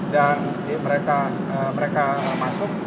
dan mereka masuk